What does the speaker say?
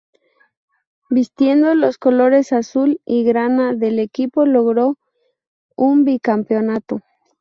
Vistiendo los colores Azul y Grana del equipo logró un bicampeonato.